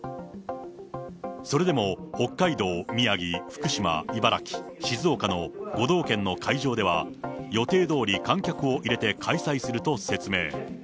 それでも北海道、宮城、福島、茨城、静岡の５道県の会場では、予定どおり観客を入れて開催すると説明。